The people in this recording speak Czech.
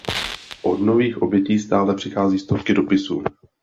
Od nových obětí stále přichází stovky dopisů.